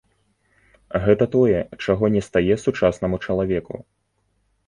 Гэта тое, чаго не стае сучаснаму чалавеку.